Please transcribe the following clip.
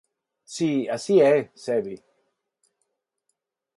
Si, así é, Sevi.